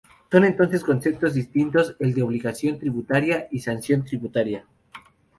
Son, entonces, conceptos distintos el de obligación tributaria y sanción tributaria.